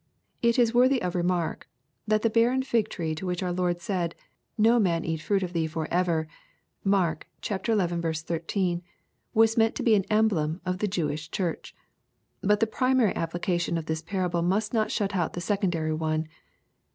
It is worthy of remark, that " the barren fig tree" to which our Lord said, no man eat fruit of thee forever, (Mark xi. 13,) was meant to be an emblem of the Jewish Church. But the primary application of this parable must not shut out the secondary one.